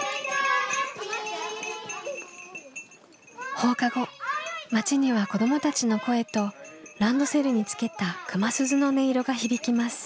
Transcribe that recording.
放課後町には子どもたちの声とランドセルにつけた熊鈴の音色が響きます。